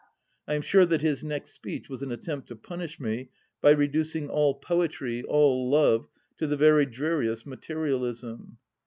I am sure that his next speech was an attempt to punish me by reducing all poetry, all love, to the very dreariest materialism.